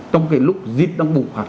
trong cái lúc dịch đang bù hoạt